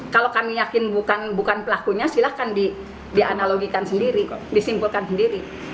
kalau kami yakin bukan pelakunya silahkan dianalogikan sendiri disimpulkan sendiri